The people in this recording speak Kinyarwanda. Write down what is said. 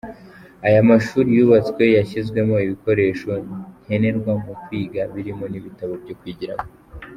Aya mashuri yubatswe yashyizweho ibikoresho nkenerwa mu kwiga birimo n’ibitabo byo kwigiramo.